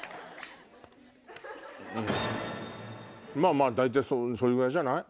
まぁ大体それぐらいじゃない？